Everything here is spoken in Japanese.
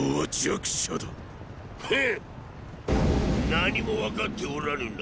何も分かっておらぬな